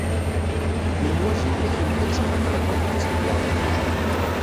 Lemwaǧi kkatent-tt axaṭer iqubel-itt-id waḍu.